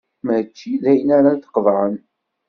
Mačči d ayen ara d-qaḍɛen.